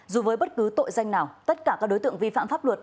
dù với bất cứ tội danh nào tất cả các đối tượng vi phạm pháp luật